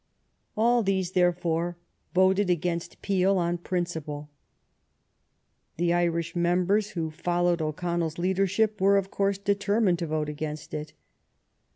All these, therefore, voted against Peel on prin ciple. The Irish members, who followed O'Con nell's leadership, were, of course, determined to vote against it.